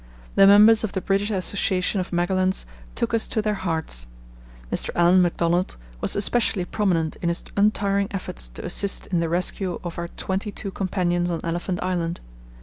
The members of the British Association of Magellanes took us to their hearts. Mr. Allan McDonald was especially prominent in his untiring efforts to assist in the rescue of our twenty two companions on Elephant Island.